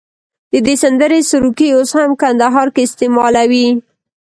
د دې سندرې سروکي اوس هم کندهار کې استعمالوي.